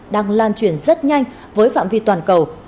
đang lan truyền rất nhanh với phạm vi toàn cầu